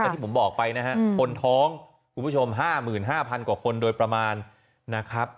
ที่ผมบอกไปนะฮะคนท้องคุณผู้ชม๕๕๐๐กว่าคนโดยประมาณนะครับ